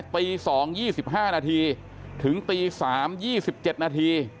ตี๒๒๕นาทีถึงตี๓๒๗นาที